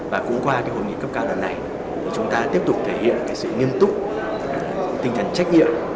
và cũng qua hội nghị cấp cao lần này chúng ta tiếp tục thể hiện sự nghiêm túc tinh thần trách nhiệm